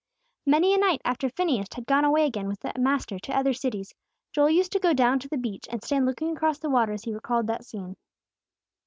Many a night after Phineas had gone away again with the Master to other cities, Joel used to go down to the beach, and stand looking across the water as he recalled that scene.